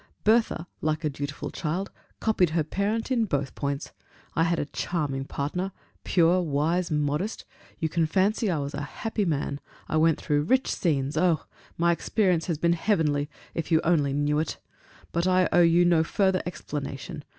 Bertha, like a dutiful child, copied her parent in both points. I had a charming partner pure, wise, modest; you can fancy I was a happy man. I went through rich scenes! Oh! my experience has been heavenly, if you only knew it! But I owe you no further explanation.